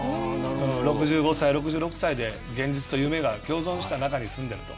６５歳、６６歳で現実と夢が共存した中で住んでいると。